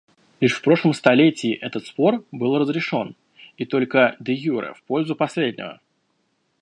Лишь в прошлом столетии этот спор был разрешен — и только деюре — в пользу последнего.